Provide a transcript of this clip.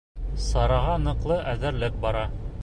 — Сараға ныҡлы әҙерлек бара.